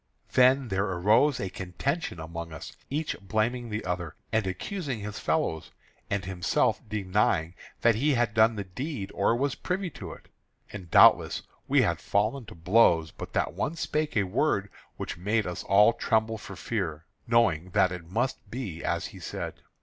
Then there arose a contention among us, each blaming the other, and accusing his fellows, and himself denying that he had done the deed or was privy to it. And doubtless we had fallen to blows but that one spake a word which made us all tremble for fear, knowing that it must be as he said.